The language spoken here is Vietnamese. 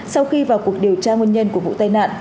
sau khi vào cuộc điều tra nguyên nhân của vụ tai nạn